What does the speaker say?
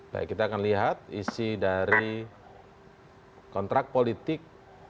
baik kita akan lihat isi dari kontrak politik